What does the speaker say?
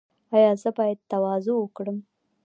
ایا زه باید تواضع وکړم؟